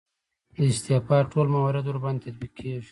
د استعفا ټول موارد ورباندې تطبیق کیږي.